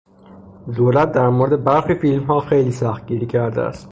دولت در مورد برخی فیلمها خیلی سختگیری کردهاست.